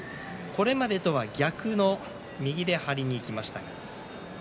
これまでとは逆の右で張りにいきました。